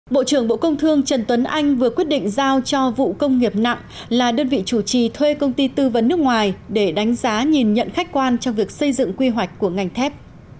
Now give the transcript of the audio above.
bộ trưởng bộ công thương trần tuấn anh vừa quyết định giao cho vụ công nghiệp nặng là đơn vị chủ trì thuê công ty tư vấn nước ngoài để đánh giá nhìn nhận khách quan trong việc xây dựng quy hoạch của ngành thép